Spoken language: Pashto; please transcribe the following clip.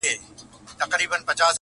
په نارو د بيزو وان خوا ته روان سو،